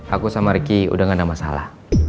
aku sama ricky udah gak ada masalah